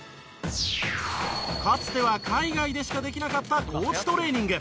かつては海外でしかできなかった高地トレーニング。